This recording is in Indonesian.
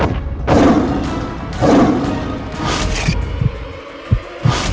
kalau begitu sekarang kita berangkat